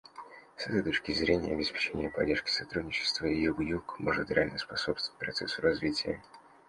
С этой точки зрения обеспечение поддержки сотрудничества Юг-Юг может реально способствовать процессу развития.